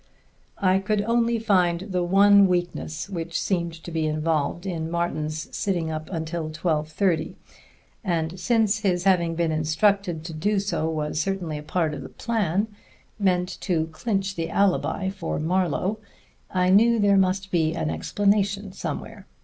I could only find the one weakness which seemed to be involved in Martin's sitting up until twelve thirty; and since his having been instructed to do so was certainly a part of the plan, meant to clinch the alibi for Marlowe, I knew there must be an explanation somewhere.